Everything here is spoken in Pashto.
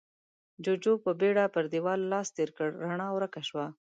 جُوجُو په بيړه پر دېوال لاس تېر کړ، رڼا ورکه شوه.